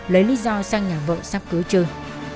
lấy lý do sang nhà vợ sắp cứu trơn